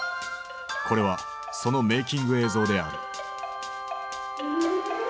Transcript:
これはそのメイキング映像である。